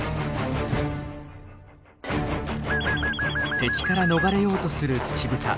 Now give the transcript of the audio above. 敵から逃れようとするツチブタ。